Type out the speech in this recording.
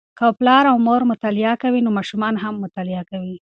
که پلار او مور مطالعه کوي، ماشومان هم مطالعه کوي.